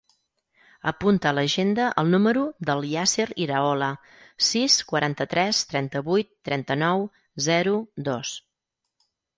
Apunta a l'agenda el número del Yasser Iraola: sis, quaranta-tres, trenta-vuit, trenta-nou, zero, dos.